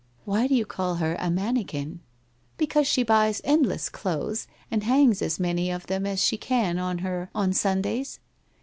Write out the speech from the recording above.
' Why do you call her a mannequin ?' 1 Because she buys endless clothes and hangs as many of them as she can on her on Sundays.